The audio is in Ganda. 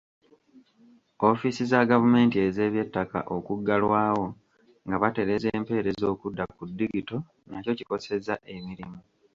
Ofiisi za gavumenti ez’ebyettaka okuggalwawo nga batereeza empeereza okudda ku digito nakyo kikosezza emirimu.